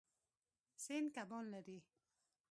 سیند کبان لري.